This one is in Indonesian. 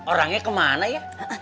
orangnya kemana ya